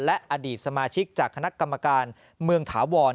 และอดีตสมาชิกจากคณะกรรมการเมืองถาวร